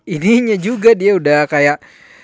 ininya juga dia udah kayak